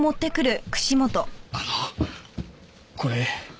あのこれ。